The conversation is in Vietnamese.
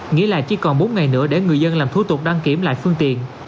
nghĩa là chỉ còn bốn ngày nữa để người dân làm thủ tục đăng kiểm lại phương tiện